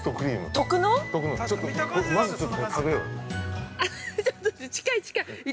◆あっ、ちょっと近い近い！